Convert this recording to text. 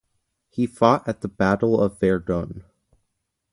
He fought at the Battle of Verdun.